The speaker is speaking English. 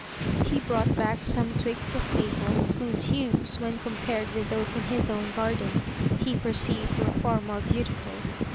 He brought back some twigs of maple, whose hues, when compared with those in his own garden, he perceived were far more beautiful.